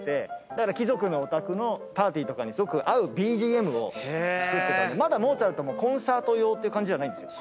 だから貴族のお宅のパーティーとかにすごく合うＢＧＭを作ってたんでまだモーツァルトもコンサート用っていう感じではないんですよ。